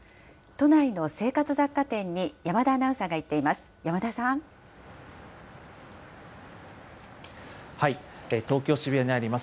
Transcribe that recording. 都内の生活雑貨店に、山田アナウンサーが行っています。